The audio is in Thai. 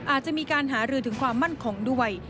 อาจจะมีการหารือถึงความมั่นคงด้วย